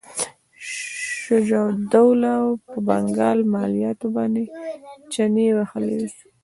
شجاع الدوله په بنګال مالیاتو باندې چنې وهلې وې.